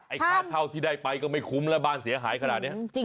ค่าเช่าที่ได้ไปก็ไม่คุ้มแล้วบ้านเสียหายขนาดนี้